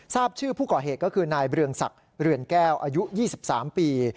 ทราบชื่อผู้ก่อเหตุก็คือนายเรืองศักดิ์เรือนแก้วอายุ๒๓ปี